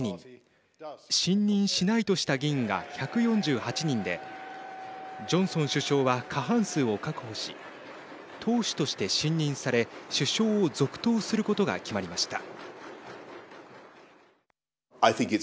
信任しないとした議員が１４８人でジョンソン首相は過半数を確保し党首として信任され首相を続投することが決まりました。